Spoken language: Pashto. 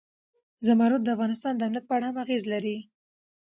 زمرد د افغانستان د امنیت په اړه هم اغېز لري.